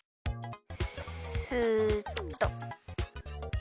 スッと。